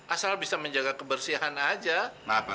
asal bisa menjaga kebersihan aja